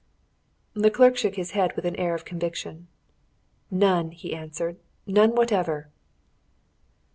The clerk shook his head with an air of conviction. "None!" he answered. "None whatever!"